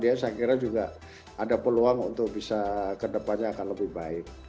dia saya kira juga ada peluang untuk bisa kedepannya akan lebih baik